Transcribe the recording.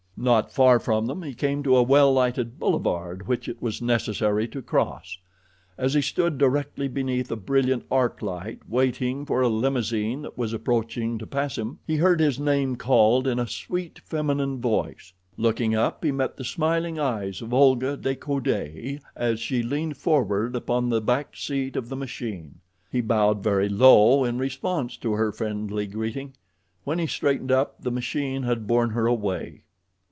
Not far from them he came to a well lighted boulevard which it was necessary to cross. As he stood directly beneath a brilliant arc light, waiting for a limousine that was approaching to pass him, he heard his name called in a sweet feminine voice. Looking up, he met the smiling eyes of Olga de Coude as she leaned forward upon the back seat of the machine. He bowed very low in response to her friendly greeting. When he straightened up the machine had borne her away.